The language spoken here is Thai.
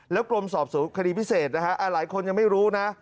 แล้วกรมสอบสวนคดีพิเศษนะฮะหลายคนยังไม่รู้นะ